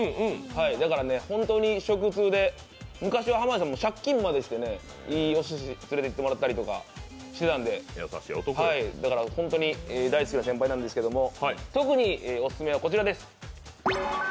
だから本当に食通で昔は濱家さんも借金までして、いいおすしに連れて行ってもらったりしたんでだから本当に大好きな先輩なんですけども、特にオススメはこちらです。